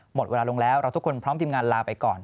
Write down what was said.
หมดเวลาลงแล้วเราทุกคนพร้อมทีมงานลาไปก่อน